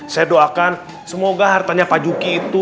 saya doakan semoga hartanya pak juki itu